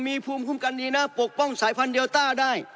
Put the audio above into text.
มีภูมิคุ้มกันดีนะปกป้องสายพันธุเดลต้าได้